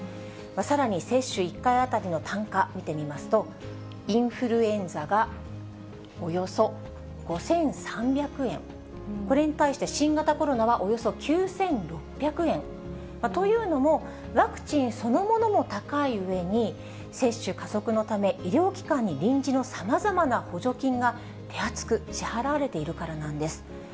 さらに接種１回当たりの単価見てみますと、インフルエンザがおよそ５３００円、これに対して新型コロナはおよそ９６００円。というのも、ワクチンそのものも高いうえに、接種加速のため、医療機関に臨時のさまざまな補助金が手厚く支払われているからなんです。